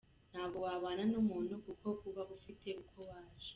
Ntabwo wabana n’umuntu kuko uba ufite uko waje.